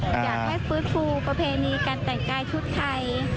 อยากให้ฟื้นฟูประเพณีการแต่งกายชุดไทย